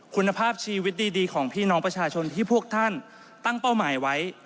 คุณภาพชีวิตดีของพี่น้องประชาชนที่พวกท่านตั้งเป้าหมายไว้